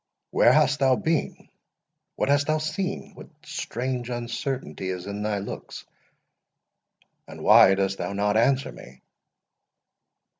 "Where hast thou been?—what hast thou seen?—what strange uncertainty is in thy looks?—and why dost thou not answer me?"